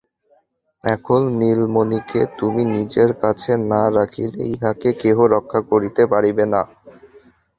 এখন নীলমণিকে তুমি নিজের কাছে না রাখিলে ইহাকে কেহ রক্ষা করিতে পারিবে না।